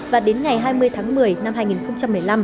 và đến ngày hai mươi tháng một mươi năm hai nghìn một mươi năm